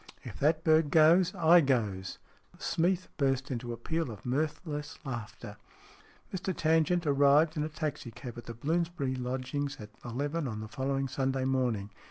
"If that bird goes, I goes!" Smeath burst into a peal of mirthless laughter. Mr Tangent arrived in a taxi cab at the Blooms bury lodgings at eleven on the following Sunday morning.